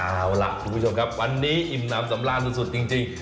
เอาล่ะคุณผู้ชมครับวันนี้อิ่มน้ำสำราญสุดจริง